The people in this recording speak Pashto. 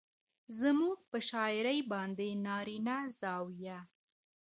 زموږ پر شاعرۍ باندې نارينه زاويه